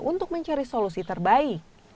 untuk mencari solusi terbaik